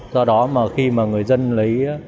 do đó mà khi mà người dân lấy